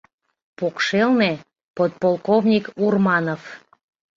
Покшелне — подполковник Урманов.